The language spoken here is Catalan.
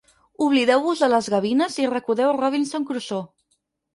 Oblideu-vos de les gavines i recordeu "Robinson Crusoe".